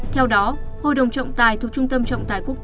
theo đó hội đồng trọng tài